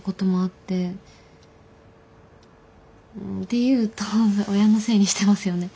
って言うと親のせいにしてますよね。